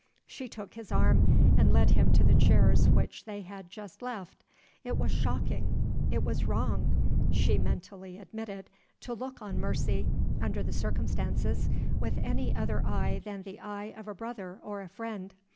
She took his arm, and led him to the chairs which they had just left. It was shocking, it was wrong (she mentally admitted) to look on Mercy, under the circumstances, with any other eye than the eye of a brother or a friend.